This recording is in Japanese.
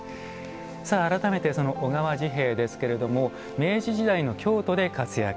さあ、改めて小川治兵衛ですけれども明治時代の京都で活躍。